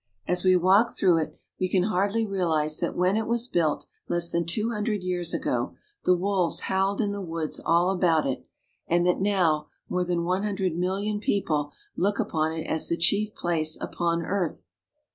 As we walk through it, we can hardly realize that when it was built, less than two hundred years ago, the wolves howled in the woods all about it, and that now more than one hundred million people look upon it as the chief place upon earth.